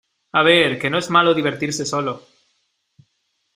a ver, que no es malo divertirse solo.